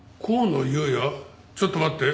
ちょっと待って。